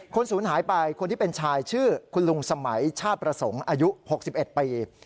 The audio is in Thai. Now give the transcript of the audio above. คนศูนย์หายไปคนที่เป็นชายชื่อคุณลุงสมัยชาประสงค์อายุหกสิบเอ็ดปี